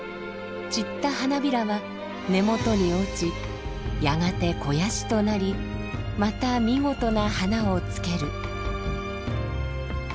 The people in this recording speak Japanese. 散った花びらは根元に落ちやがて肥やしとなりまた見事な花をつける。